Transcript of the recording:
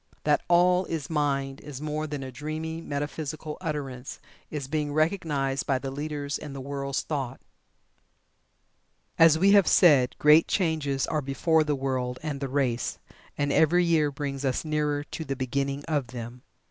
That "All is Mind" is more than a dreamy, metaphysical utterance, is being recognized by the leaders in the world's thought. As we have said, great changes are before the world and the race, and every year brings us nearer to the beginning of them.